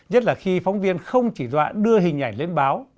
nhất là khi phóng viên không chỉ dọa đưa hình ảnh lên báo